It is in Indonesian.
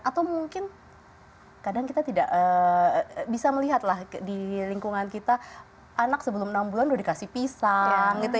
atau mungkin kadang kita tidak bisa melihatlah di lingkungan kita anak sebelum enam bulan udah dikasih pisang gitu